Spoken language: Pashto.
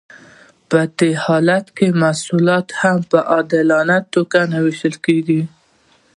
په دې حالت کې محصولات هم په عادلانه توګه نه ویشل کیږي.